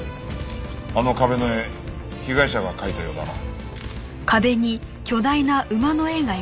あの壁の絵被害者が描いたようだな。